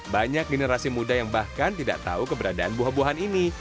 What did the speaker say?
banyak generasi muda yang bahkan tidak tahu keberadaan buah buahan ini